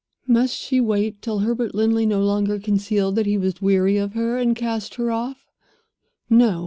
Must she wait till Herbert Linley no longer concealed that he was weary of her, and cast her off? No!